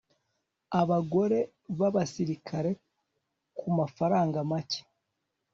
abagore b'abasirikare kumafaranga make